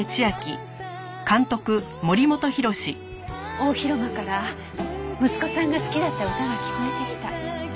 大広間から息子さんが好きだった歌が聞こえてきた。